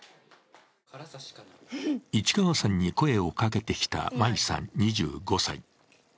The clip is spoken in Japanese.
市川さんに声をかけてきた舞さん２５歳。